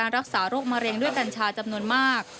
รักษาโรคมะเร็งด้วยกัญชาจำนวนมาก